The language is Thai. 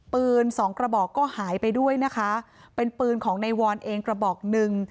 ปืนสองกระบอกก็หายไปด้วยนะคะเป็นปืนของในวอนเองกระบอกหนึ่ง